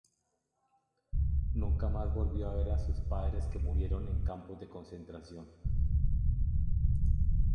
Nunca más volvió a ver a sus padres que murieron en campos de concentración.